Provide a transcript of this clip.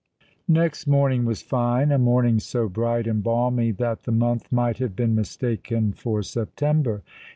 Next morning was fine, a morning so bright and balmy that the month might have been mistaken for September.